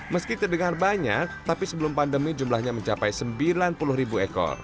meski terdengar banyak tapi sebelum pandemi jumlahnya mencapai sembilan puluh ribu ekor